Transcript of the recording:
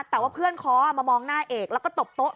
แต่ว่าเพื่อนค้อมามองหน้าเอกแล้วก็ตบโต๊ะ